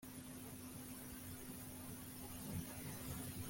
ntago ndi umuntu mubi!? ariko nkabona umukobwa ararushaho gusakuza atabaza